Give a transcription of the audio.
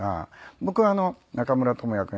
僕は中村倫也君